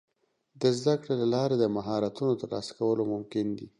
د زده کړې له لارې د مهارتونو ترلاسه کول ممکن دي.